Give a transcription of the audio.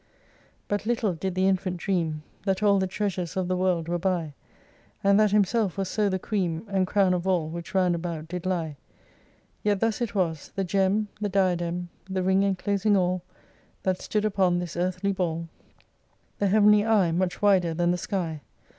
4 But little did the Infant dream That all the treasures of the World were by And that himself was so the cream And crown of all, which round about did lie Yet thus it was. The gem, The diadem. The ring enclosing all That stood upon this earthly ball ; The heavenly eye. Much wider than the sky.